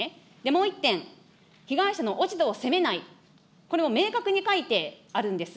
もう１点、被害者の落ち度を責めない、これを明確に書いてあるんです。